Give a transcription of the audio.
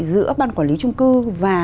giữa ban quản lý trung cư và